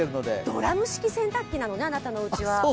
ドラム式洗濯機なのね、あなたの家は。